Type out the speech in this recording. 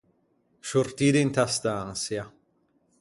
Sciortî d’inta stançia.